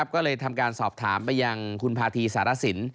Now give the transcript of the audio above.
ก็เลยทำการสอบถามไปยังคุณพาธีสารสิน